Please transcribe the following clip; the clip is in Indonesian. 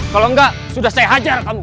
kalau enggak sudah saya hajar kamu